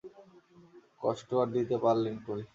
কষ্ট আর দিতে পারলেন কই?